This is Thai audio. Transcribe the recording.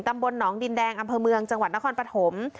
ตำบลหนองดินแดงอำเภอเมืองจังหวัดนครปฐม